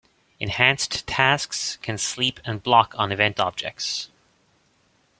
Enhanced tasks can sleep and block on event objects.